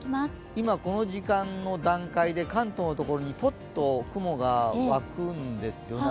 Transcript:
今この時間の段階で関東のところに、ぽっと雲が湧くんですよね。